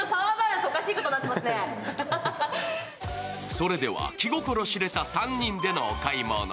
それでは気心知れた３人でのお買い物。